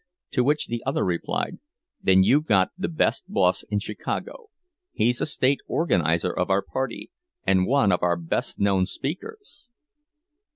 To which the other replied, "Then you've got the best boss in Chicago—he's a state organizer of our party, and one of our best known speakers!"